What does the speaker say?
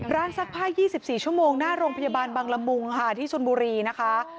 ซักผ้า๒๔ชั่วโมงหน้าโรงพยาบาลบังละมุงค่ะที่ชนบุรีนะคะ